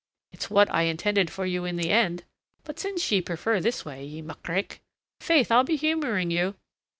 It's what I intended for you in the end. But since ye prefer it this way, ye muckrake, faith, I'll be humouring you."